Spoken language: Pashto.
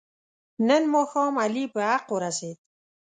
نن ماښام علي په حق ورسید.